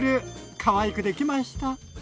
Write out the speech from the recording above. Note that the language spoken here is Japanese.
かわいくできました。